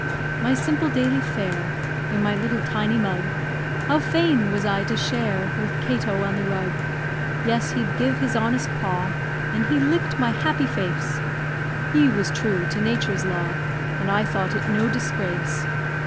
My simple daily fare, In my little tiny mug, How fain was I to share With Cato on the rug. Yes, he gave his honest paw, And he lick'd my happy face, He was true to Nature's law, And I thought it no disgrace.